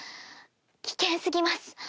危険すぎます